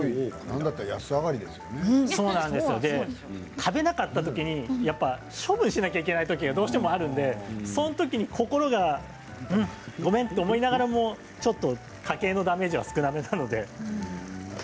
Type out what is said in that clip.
食べなかったときに処分しなければいけないときがどうしてもあるのでそういうときに、心がごめんと思いながらも家計へのダメージが少なめなので。